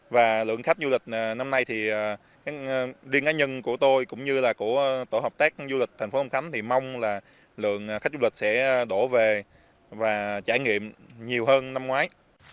và lượng khách du lịch năm nay thì điên cá nhân của tôi cũng như là của tổ hợp tác du lịch tp hcm thì mong là lượng khách du lịch sẽ đổ về và trải nghiệm nhiều hơn năm ngoái